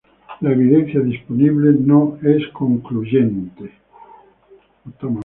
La evidencia disponible no es concluyente.